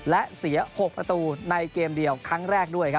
และเสีย๖ประตูในเกมเดียวครั้งแรกด้วยครับ